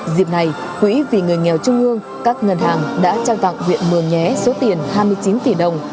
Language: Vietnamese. dịp này quỹ vì người nghèo trung ương các ngân hàng đã trao tặng huyện mường nhé số tiền hai mươi chín tỷ đồng